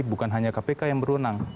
bukan hanya kpk yang berwenang